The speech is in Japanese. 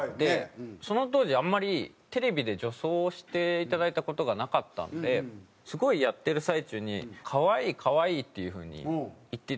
その当時あんまりテレビで女装をしていただいた事がなかったのですごいやってる最中に可愛い可愛いっていう風に言っていただいて。